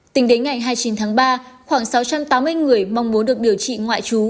tính đến ngày hai mươi chín tháng ba khoảng sáu trăm tám mươi người mong muốn được điều trị ngoại trú